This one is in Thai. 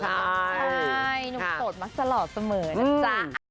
ใช่หนุ่มโสดมาตลอดเสมอนะจ๊ะ